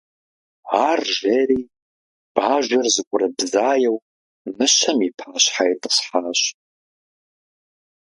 Ар жери бажэр зыӀурыбзаеу мыщэм и пащхьэ итӀысхьащ.